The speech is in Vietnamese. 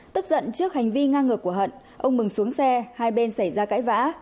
tức giận trước hành vi ngang ngược của hận ông mừng xuống xe hai bên xảy ra cãi vã